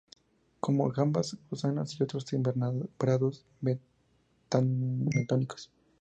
Come gambas, gusanos y otros invertebrados bentónicos.